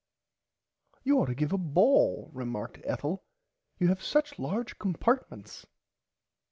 You ourght to give a ball remarked Ethel you have such large compartments.